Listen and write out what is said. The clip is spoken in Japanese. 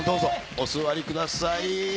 お座りください。